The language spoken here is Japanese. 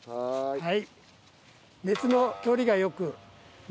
はい。